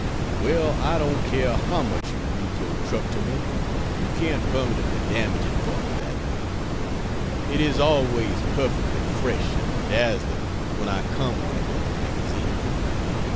Well, I don't care how much you read your truck to me, you can't permanently damage it for me that way. It is always perfectly fresh and dazzling when I come on it in the magazine.